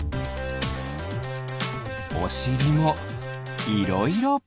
おしりもいろいろ。